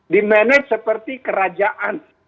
dimanage seperti kerajaan